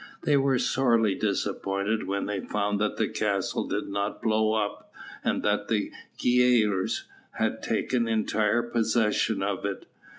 They were sorely disappointed when they found that the castle did not blow up, and that the giaours had taken entire possession of it.